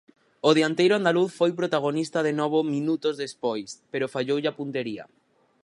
O dianteiro andaluz foi protagonista de novo minutos despois, pero falloulle a puntería.